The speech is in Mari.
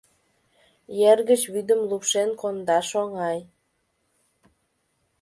Ер гыч вӱдым лупшен кондаш оҥай.